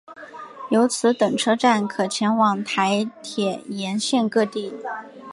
由此等车站可前往台铁沿线各地。